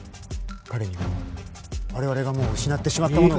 彼には我々がもう失ってしまったものを。